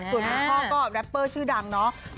ส่วนคุณพ่อก็แรปเปอร์ชื่อดังเนาะ